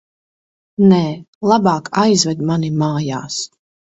Nē, labāk aizved mani mājās.